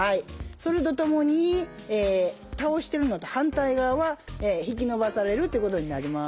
それとともに倒してるのと反対側は引き伸ばされるっていうことになります。